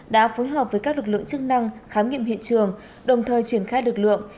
đã phối hợp với các lực lượng chức năng khám nghiệm hiện trường đồng thời triển khai lực lượng